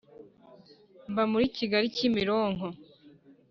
Mba muri kigali kimironko